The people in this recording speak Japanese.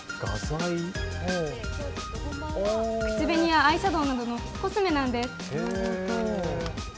口紅やアイシャドウなどのコスメなんです。